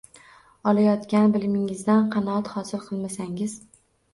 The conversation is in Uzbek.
Olayotgan bilimingizdan qanoat hosil qilmasangiz